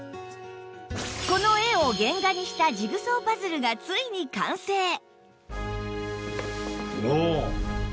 この絵を原画にしたジグソーパズルがついに完成！